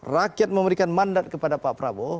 rakyat memberikan mandat kepada pak prabowo